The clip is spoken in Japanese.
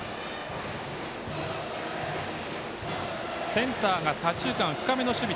センターが左中間深めの守備。